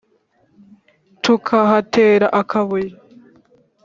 tukahatera akabuye.